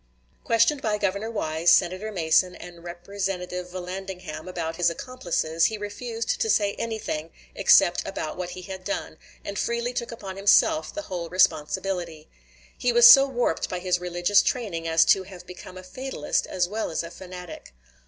Questioned by Governor Wise, Senator Mason, and Representative Vallandigham about his accomplices, he refused to say anything except about what he had done, and freely took upon himself the whole responsibility. He was so warped by his religious training as to have become a fatalist as well as a fanatic.